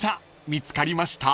見つかりました？］